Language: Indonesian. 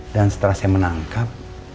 dan setelah saya menangkap